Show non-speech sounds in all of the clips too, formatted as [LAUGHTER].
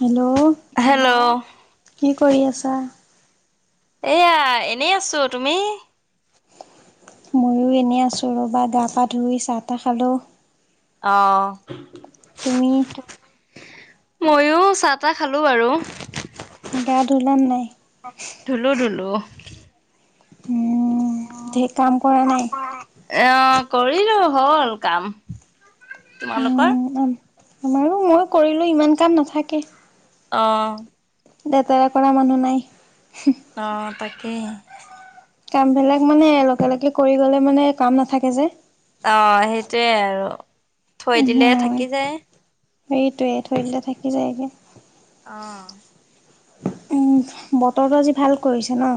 Hello hello কি কৰি আছা এয়া এনেই আছো তুমি ময়ো এনেই আছোঁ ৰ'বা গা পা ধুই চাহ তাহ খালোঁ আহ তুমি? ময়ো চাহ তাহ খালো বাৰু গা ধুলা নাই? ধুলো ধুলো উম ঢেৰ কাম কৰা নাই? এ কৰিলো হ'ল কাম তোমালোকৰ? উম, আমাৰো মই কৰিলো ইমান কাম নাথাকে অ লেতেৰা কৰা মানুহ নাই অ তাকেই কাম বিলাক মানে লগে লগে কৰি গলে মানে কাম নাথাকে যে অ সেইটোৱে আৰু থৈ উহু, দিলে থাকি যায় সেইটোৱে ধৰি থই দিলে থাকি যায়গে আহ বতৰটো আজি ভাল কৰিছে ন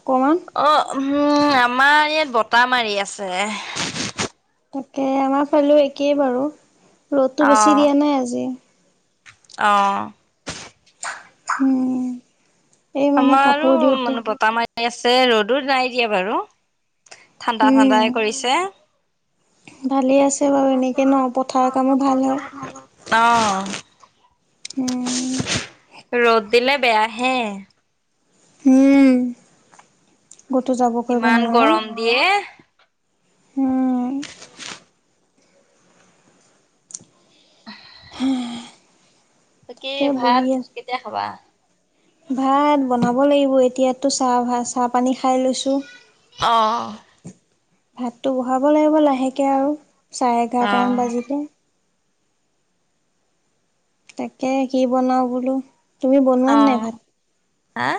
অকমান অ উম আমাৰ ইয়াত বত মাৰি আছে তাকে আমাৰ ফালেও একেই বাৰু ৰ'দতটো অ বেছি দিয়া নাই আজি অ হম আমাৰো মানে বত ম াই আছে ৰ'দো নাই দিয়া বাৰু ঠাণ্ডা ঠাণ্ডাই উম কৰিছে ভালেই আছে বাৰু এনেকে ন পথাৰ কামো ভাল হয় অ হম ৰ'দ দিলে বেয়া হে উম কতো যাব কৰিব ইমান নোৱাৰা গৰম দিয়ে, হম অ হ ত কি ভাত কেতিয়া খাবা ভাত বনাব লাগিব এতিয়ো চাহ ভ চাহ পানী খাই লৈছো অঁ ভাতটো বহাব লাগিব লাহেকে আৰু চাৰে অ', এঘাৰটামান বাজিলে তাকে কি বনাওঁ বোলো তুমি বনোৱা নাই অ', ভাত হা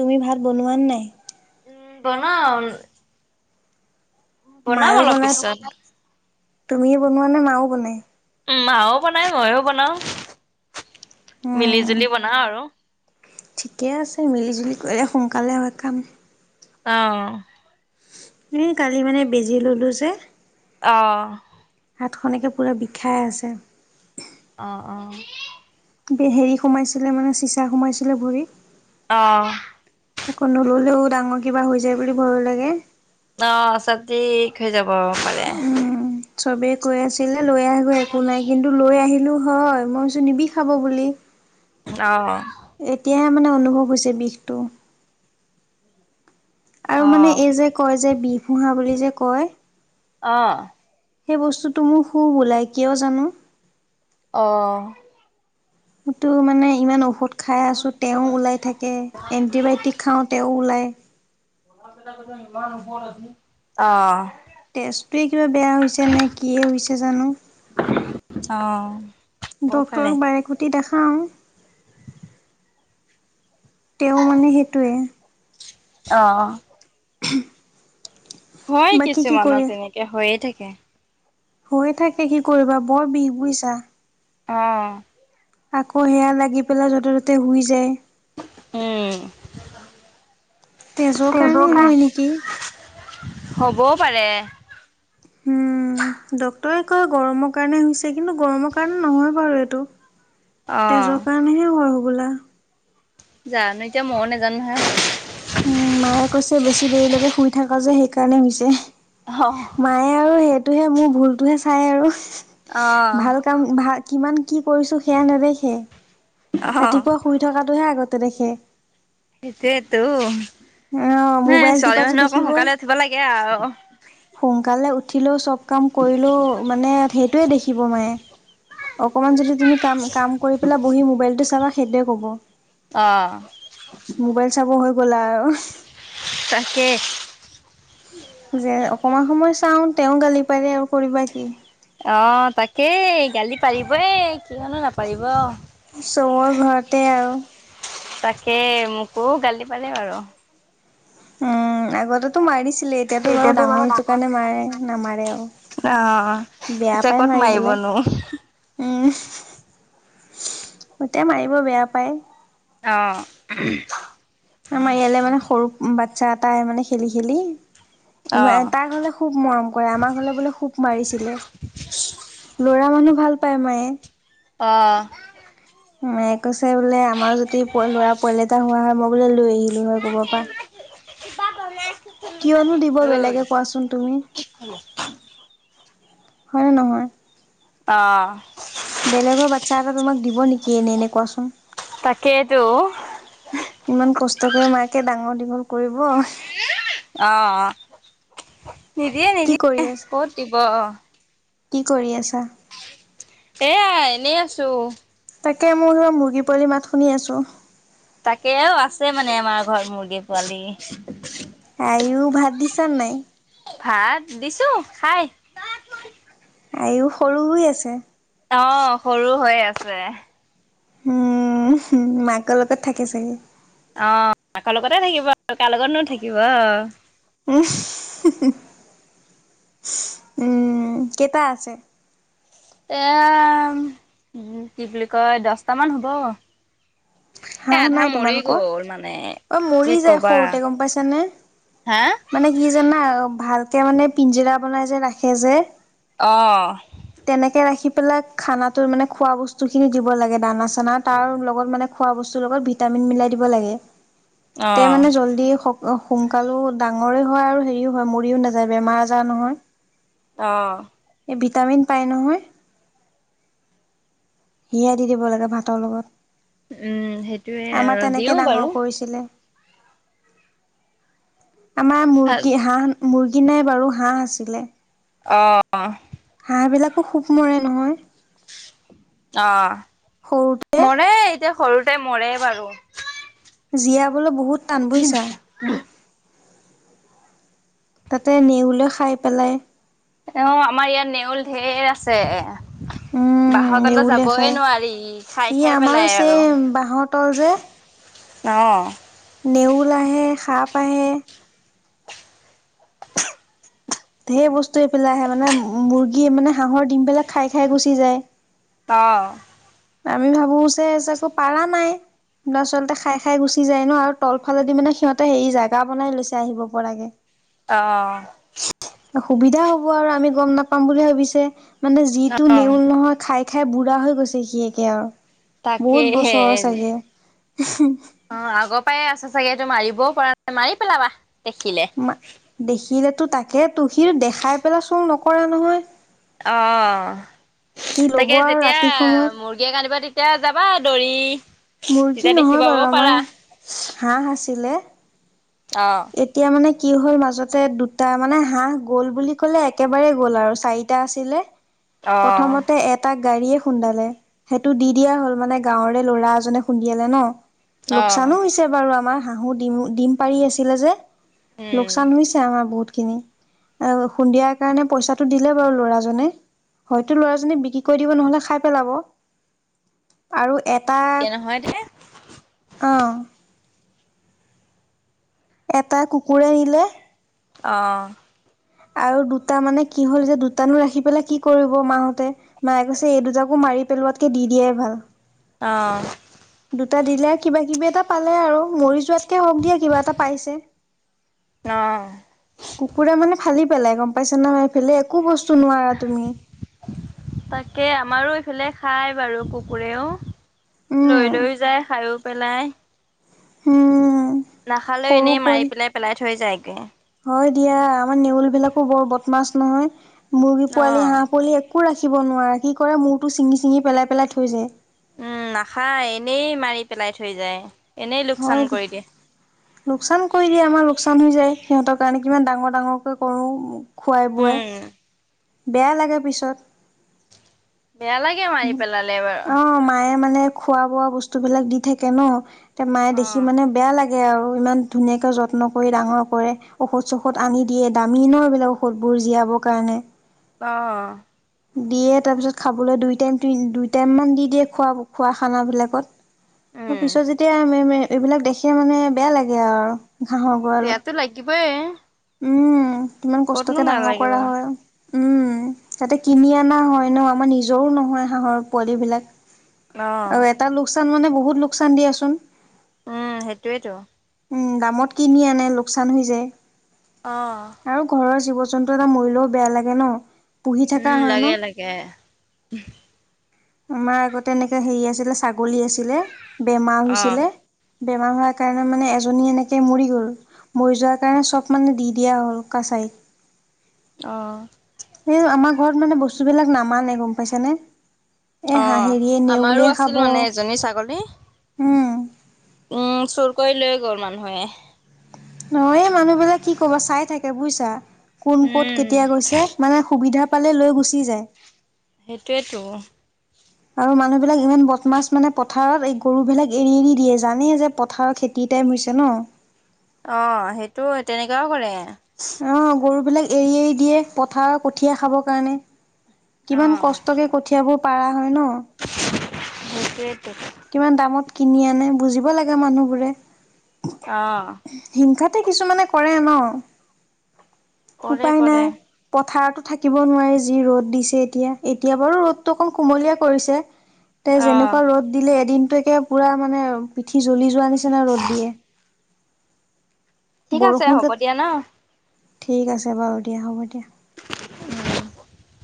তুমি ভাত বনোৱা নাই উম বনাও বনাম অলপ পিছত তুমি বনোৱা নে মাও বনাই উম মাও বনাই ময়ও বনাওঁ মিলি উম জুলি বনাও আৰু ঠিকে আছে মিলি জুলি কৰিলে সোনকালে আৰু কাম আহ উ কালি মানে বেজি ললো যে আহ হাতখননেকে পূৰা বিষাই আছে আহ আহ হেৰি সোমাইছিলে মানে চিচা সোমাইছিলে ভৰিত আহ আকৌ নললেও ডাঙৰ কিবা হৈ যায় বুলি ভয় লাগে অ চবজ হৈ যাব পাৰে উম চবেই কৈ আছিলে লৈ আহিব একো নাই কিন্তু লৈ আহি ো হয় মইছো নিবি খাব বুলি আহ! এতিয়াহে মানে অনুভৱ হৈছে বিষটো আৰু মানে অ', এই যে কয় যে বিহুহা বুলি যে কয়। অ'- সেই বস্তুটো মোৰ সু বোলাই কিয় জানো আহ! টো মানে ইমান ঔষধ খাই আছোঁ তেওঁ ওলাই থাকে এণ্টিবায়টিক খাওঁ তেওঁ ওলায়, ইমানৰ আ অ' তেজপুৰ কিবা বেয়া হৈছে নে কি হৈছে জানো। অ! হ'ব পাৰে। ডক্ক্তৰক বাৰেকুটি দেখাও তেওঁ মানে সেইটোৱে অ' [INAUDIBLE] হয় বাকী কি কিছুমানৰ তেনেকে হৈয়ে থাকে। হৈ থাকে কি কৰিবা বৰ বিষ বুজিছা আহ! আকৌ সেয়া লাগি পেলাই য'তে ত'তে শুই যায়। উম! তেজৰ কাৰণেই হয় নেকি? হবও পাৰে। উম! ড্ক্তৰে কয় গৰমৰ কাৰণে হৈছে কিন্তু গৰমৰ কাৰণে নহয় বাৰু এইটো অ তেজৰ কাৰণেহে হোৱা হৈগোলা। জানো এতিয়া ময়ো নোজানো নহয়। উম মায়ে কৈছে বেছি দেৰিলৈকে শুই থাক যে সেইকাৰণে হৈছে অ মায়ে আৰু সেইটোহে মোৰ ভুলতহে চাই আৰু অ ভাল কাম ভাল। কিমান কি কৰিছো সেয়া নেদেখে অ ৰাতিপুৱা শুই থকাাতটোহে আগতে তেনেকে সেইছাইটো অ' নে মোবাইল ছোৱালী টিপাটো মানুহ অকণ দেখিব। সোনকালে উঠিব লাগে আৰু সোনকালে উঠিলেও চব কাম কৰিলেোও মানে সেইটোৱে দেখিব মায়ে অকমান যদি তুমি কাম কাম কৰি পেলাই বহি মোবাইলটো চাবা সেইটোৱে ক'ব। আহ! ! মোবাইল চাব হৈ গ'লা আৰু তাকে! যে অকমান সময় চাওঁ তেওঁ গালি পাৰে আৰু কৰিবা কি? অ তাকেই গালি পাৰিবই কিয়ণো নাপাৰিব। চবৰ ঘৰতে আৰু তাকে মোকো গালি পাৰে বাৰু, উম আগতেতো মাৰিছিলে এতিয়াতো বাৰু ডাঙৰ জোকে মাৰে নামাৰে আৰু অ বেয়া পিছে পাই ক'ত মাৰিবলে মাৰিবনো। উম এতিয়া মাৰিব বেয়া পায়। আহ! আমাৰ ইয়ালৈ মানে সৰু বাচ্ছা এটাই মানে খেলি খেলি অ ইমান তাৰ ঘৰলে খুব মৰম কৰে আমাৰ ঘৰলে বোলে খুব মাৰিছিলে। লৰা মানুহ ভাল পায় মায়ে। অ' কৈছে বোলে আমাৰ যদি ল'ৰা পোৱালি এটা হোৱা হয় মই বোলে লৈ আহিলো হয় কবৰ পৰা। িব কাৰ নাই কিয়নো দিব বেলেগে কোৱাচোন তুমি হয় ন নহয় অ বেলেগৰ বাচ্ছা এটা তোমাক দিব নেকি এনে এনে কোৱাচোন তাকেইেতো ইমান কষ্টক মাকে ডাঙৰ দীঘল কৰিব অ নিদিয়ে কি কৰি নিদিয়ে আছা কত দিব আহ কি কৰি আছা এয়া এনেই আছো তাকে মোৰ স মুৰ্গী পোৱালি মাত শুনি আছোঁ তাকেও আছে মানে আমাৰ ঘৰত মুৰ্গী পোৱালি আইও ভাত দিছ নাই ভাত দিছো খাই আও সৰু হৈ আছে অ সৰু হৈ আছে উম মাকৰ লগত থাকে চাগে অ মাকৰ লগতে থাকিব আৰু কাৰ লগতনো থাকিব অ উ উম কেইটা আছে এয়া কি বুলি কয় দছটামান হ'ব এ হাঁহ আধা নাই মৰি তোমালোকৰ গ'ল মানে অঐ কি মৰি যায় কবা সৰুতে গম পাইছানে হা মানে কি জানা ভালকে মানে পিঞ্জিৰা বনাই যে ৰাখে যে আহ পেলাক খানা তো মানে খোৱা বস্তু খিনি দিব লাগে দানা চানা তাৰ লগত মানে অ ত ম মে ডাঙৰে হয় আৰু হেৰিও হয় মৰিও নাযায় বেমাৰ আজাৰ নহয় আহ এই ভিটামিন পাই নহয় হিয় দি দিব লাগে ভাতৰ উম সেইটোয়ে লগত আমাৰ আৰু দিও তেনেকে বাৰু ডাঙৰ কৰিছিলে আমাৰ মুৰ্গী হাঁহ মুৰ্গী নাই বাৰু হাঁহ আছিলে অ হাঁহবলাকো খোব মৰে নহয় অ সৰুতে মৰে এতিয়া সৰুতে মৰে বাৰু জীয়াবলৈ বহুত টানবইছা তাতে নেউলৈ খাই পেলাই অ আমাৰ ইয়াত নেউল ঢেৰ আছে উম বাহতলৈ নেউলে যাবই খাই নোৱাৰি খাই ই খাই আমাৰো পেলাই আৰু ছেম বাঁহৰ তল যে অহ নেউল আহে সাপ আহে েৰ বস্তু এই পেলাই আহে মানে মুৰ্গী মানে হাঁহৰ দিম পেলাই খাই খাই গুচি যায় অ আমি ভাবো চ চ আ একৌ পাৰা নাই আচলতে খাই খাই গুচি যায় ন আৰু তলফালেদি মানে সিহতে হেৰি জোগা বনাই লৈছে আহিব পৰাগে অ সুবিধা হ'ব আৰু আমি গ'ম নাপাম বুলি ভাবিছে মানে যিটো নেওল নহয় খাই খাই বুঢ়া হৈ গৈছে সি একে আৰু তাকে বহুত হে বছৰৰ চাগে। অ আগৰ পাই আছে - চাগে তো মাৰিবও পৰা নাই মাৰি পেলাবা- দেখিলে। ম দেখিলেতো তাকে তহি দেখাই পেলাই চুৰ নকৰা নহয়- অ, সি ল'ব তাকে আৰু যেতিয়া ৰাতি সময়ত মুৰ্গীয়েক আনিবা দি এতিয়া যাবা দৰি মুৰ্গী নহয় বাৰু আমাৰ হাঁহ আছিলে। অ', এতিয়া মানে- কি হ'ল মাজতে দুটা মানে হাহ গ'ল বুলি ক'লে একেবাৰে গ'ল আৰু চাৰিটা আছিলে। অ', প্ৰথমতে এটা- গাড়ীয়ে খুন্দালে সেইটো দি দিয়া হ'ল মানে গাঁৱৰে ল'ৰা এজনে খুন্দিয়ালে ন- অ', লোকচানো হৈছে বাৰু আমাৰ হাঁহো ডিম ডিম পালি আছিলো যে- উম। লোকচান হৈছে আমাৰ বহুত। খিনি আৰু সন্ধিয়াৰ কাৰণে পইচাটো দিলে বাৰু ল'ৰাজনে- হয়তো ল'ৰাজনে বিক্ৰী কৰি দিব নহলে খাই পেলাব আৰু এ এ এতিয়া নহয় দে আহ- এটা কুকুৰে নিলে আহ। আৰু দুটা মানে কি হল যে দুটানো ৰাখি পেলাই কি কৰিব মাহতে মায়ে কৈছে এই দুটাকো মাৰ- মাৰি পেলোৱাতকে দি দিয়ে ভাল। অ। দুটা দিলে কিবা কিবি এটা পালে আৰু মৰি যোৱাতকে হওক দিয়া কিবা এটা পাইছে- অ। কুকুৰা মানে ফালি পেলাই গম পাইছে না আমাইফালে একো বস্তু- চুনুৱা তুমি [UNINTELLIGIBLE] খায় বাৰু কুকুৰেও লৈ উম, লৈও যায় খায়ো পেলাই- উম। নাখালেও এনেই মাৰি সৰুকৈ পেলাই পেলাই থৈ যায়গে হয় দিয়া আমাৰ নেউল বিলাকো বৰ ব- বদমাছ নহয় মুৰ্গী পোৱালি অ' হাঁহ পোৱালি একো ৰাখি- থাকিব নোৱাৰাৰে কি কৰে মূৰটো ছিঙি চিঙি পেলাই পেলাই থৈ যায়- উম নাখায় এনেই মাৰি পেলাই থৈ যায়। এনেই লোকচান হয় কৰি দিয়ে লোকচান কৰি দিয়ে আমাৰ লোকচান হৈ যায়। সিহঁতৰ কাৰণে কিমান ডাঙৰ ডাঙৰকে কৰো খোৱাই উম বোৱাই- বেয়া লাগে পিছত- বেয়া লাগে উম। মাৰি পেলালে। অ মায়ে মানে খোৱা বোৱা বস্তু বিলাক দি থাকে ন তে মায়ে দেখি অ' মানে বেয়া লাগে- লাগে আৰু ইমান ধুনীয়াকে যত্ন কৰি ডাঙৰ কৰে ঔষধ চষধ আনি দিয়ে দামিনৰ বিলাক ঔষধ বোৰ। জীয়াবৰ কাৰণে- অ। দিয়ে তাৰপিছত খাবলৈ দুই টাইম দুই টাইমান দি দিয়ে খোৱা খোৱা খানাবিলাকত- উম পিছত যেতিয়া এইবিলাক দেখে মানে বেয়া লাগে আৰু- হাহৰ গঁৰালত- হবই এ। উম কিমান কষ্টকে ডাঙৰ নালাগিব কৰা অ' হয়। উম তাতে কিনি অনা হয় ন আমাৰ নিজৰো নহয় হাঁহৰ পোৱালিবিলাক- আৰু এটা লোকচান মানে বহুত লোকচান দিয়াচোন। উম সেইটোৱেইেতো। উম দামত কিনি আনে লোকচান হৈ যায় অ' আৰু ঘৰৰ জীৱ- [UNINTELLIGIBLE] উম হয় ন। লাগে লাগে। আমাৰ আগতে এনেকে হেৰি আছিলে ছাগলী আছিলে বেমাৰ অ' হৈছিলে- বেমাৰ হোৱাৰ কাৰণে মানে এজনী এনেকে মৰি গ'ল মৰি যোৱাৰ কাৰণে চব মানে দি দিয়া হ'ল কাছাৰীত উ আহ এই আমাৰ ঘৰত মানে বস্তুবিলাক নামানে গম পাইছানে। এ অ' আমাৰো [UNINTELLIGIBLE] আছিল খাব মানে এজনী ছাগলী হম। উম চুৰ কৰি লৈ গল মানুহে নহয় মানুহবিলাক কি কবা চাই থাকে বুজিছা। কোন ক'ত উম। কেতিয়া গৈছে মানে সুবিধা পালে লৈ গুচি যায়। সেইটোৱেতো। আৰু মানুহ বিলাক ইমান বটমাছ মানে পথাৰত এই গৰু বিলাক এৰি এৰি দিয়ে জানেই যে পথাৰৰ খেতিত [UNINTELLIGIBLE] হৈছে ন। অ', সেইটো তেনেকুৱাও কৰে। অ', গৰু বিলাক এৰি এৰি দিয়ে পথাৰ কঠীয়া খাবৰ কাৰণে। অ কিমান কষ্টকে কঠিয়াবোৰ পাৰা হয় ন। সেইটোৱেই টো। কিমান দামত কিনি আনে বুজিব লাগে মানুহবোৰে আহ। হিংসাতে কিছুমানে কৰে ন কৰে উপায় কৰে নাই পথাৰত। থাকিব নোৱাৰে যি ৰ'দ দিছে এতিয়া এতিয়া বাৰু ৰ'দটো অকণ কুমলীয়া কৰিছে। তে অ যেনেকুৱা ৰ'দ দিলে এদিনটো একে পুৰা মানে পিঠি জ্বলি যোৱা নিচিনা ৰ'দ দিয়ে। ঠিক আছে হ'ব বৰষুণকে দিয়া ন। ঠিক আছে বাৰু দিয়া হ'ব দিয়া। উম।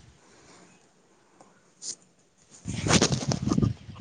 [INAUDIBLE]